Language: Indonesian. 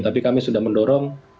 tapi kami sudah mendorong